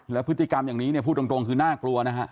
แล้วพฤติกรรมอย่างนี้เนี่ยพูดตรงคือน่ากลัวนะฮะ